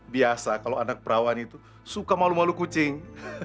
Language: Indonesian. biasa kalau anak perawan itu suka malu malu kucing